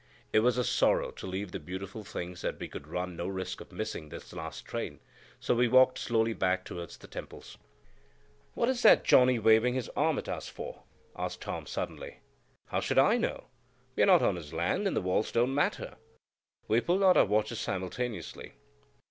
It was a sorrow to leave the beautiful things, but we could run no risk of missing this last train, so we walked slowly back towards the temples. "What is that Johnny waving his arm at us for?" asked Tom, suddenly. "How should I know? We are not on his land, and the walls don't matter." We pulled out our watches simultaneously.